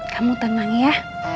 kamu tenang ya